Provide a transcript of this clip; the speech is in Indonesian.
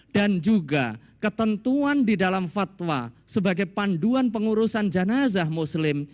dan juga ketentuan di dalam fatwa sebagai panduan pengurusan janazah muslim